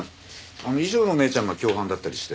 あの衣装の姉ちゃんが共犯だったりして。